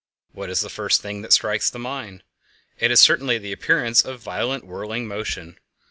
What is the first thing that strikes the mind? It is certainly the appearance of violent whirling motion.